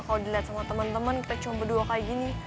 kalo diliat sama temen temen kita cuma berdua kayak gini